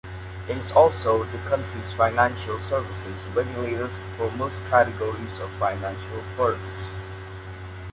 It is also the country's financial services regulator for most categories of financial firms.